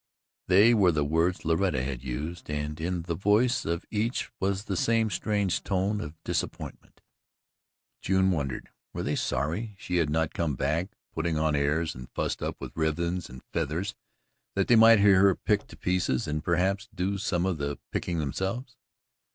They were the words Loretta had used, and in the voice of each was the same strange tone of disappointment. June wondered: were they sorry she had not come back putting on airs and fussed up with ribbons and feathers that they might hear her picked to pieces and perhaps do some of the picking themselves?